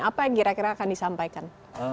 apa yang kira kira akan disampaikan